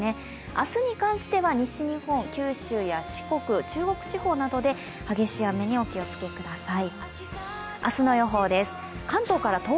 明日に関しては西日本、九州や四国中国地方などで激しい雨にお気をつけください。